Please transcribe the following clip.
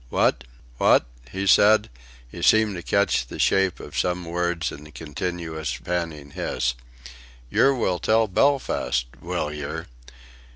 "What? What?" he said. He seemed to catch the shape of some words in the continuous panting hiss. "Yer will tell Belfast! Will yer?